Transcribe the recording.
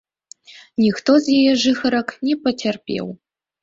Ніхто з яе жыхарак не пацярпеў.